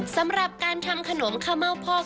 สำหรับการทำขนมข้าวเม่าพอก